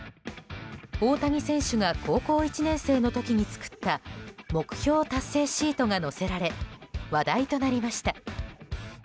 大谷選手が高校１年生の時に作った目標達成シートが載せられ、話題となりました。